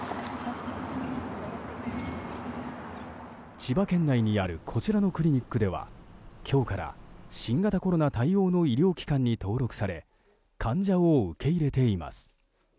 千葉県内にあるこちらのクリニックでは今日から新型コロナ対応の医療機関に登録され患者を受け入れています。